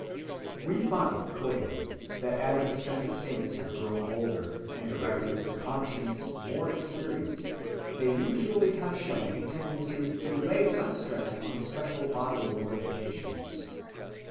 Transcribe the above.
(216) We find accordingly that as ascetic saints have grown older, and directors of conscience more experienced, they usually have shown a tendency to lay less stress on special bodily mortifications.